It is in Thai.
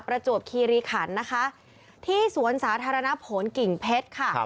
ประจวบคีรีขันนะคะที่สวนสาธารณผลกิ่งเพชรค่ะ